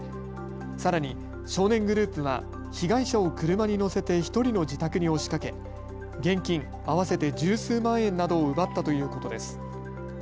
さらに少年グループは被害者を車に乗せて１人の自宅に押しかけ現金合わせて十数万円などを奪ったということです。